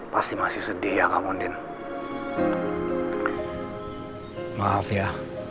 pasti masih sedih ya kamu undin maaf ya